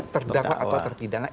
terdakwa atau terpidana